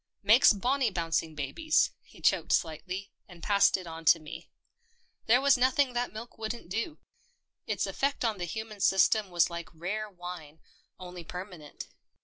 Makes bonny bouncing babies." He choked slightly, and passed it on to me. There was nothing that milk wouldn't do. Its effect on the human system was like rare wine, only per manent.